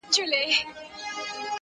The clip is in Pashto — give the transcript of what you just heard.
• بس تر مرګه به مو هلته یارانه وي ,